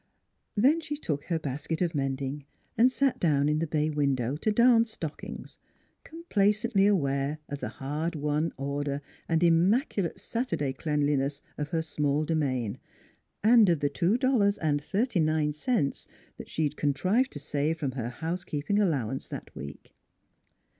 Then she took her basket of mending and sat down in the bay window to darn stockings, com placently aware of the hard won order and immaculate Saturday cleanliness of her small domain and of the two dollars and thirty nine cents she had contrived to save from her house keeping allowance that week.